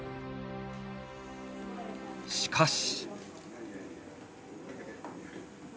しかし。